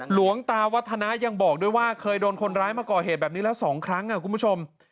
หลวงตาวัฒนายังบอกด้วยว่าเคยโดนคนร้ายมาก่อเหตุแบบนี้แล้ว๒ครั้งคุณผู้ชม